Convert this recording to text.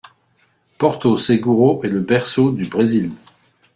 Porto Seguro est le berceau du Brésil.